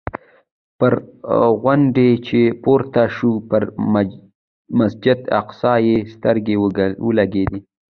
پر غونډۍ چې پورته شو پر مسجد الاقصی یې سترګې ولګېدې.